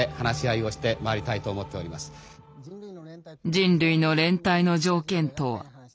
人類の連帯の条件とは？